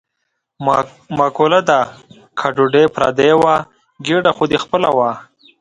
مقوله ده: که ډوډۍ پردۍ وه ګېډه خو دې خپله وه.